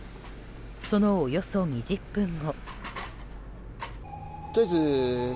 そのおよそ２０分後。